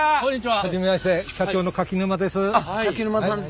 初めまして社長の柿沼です。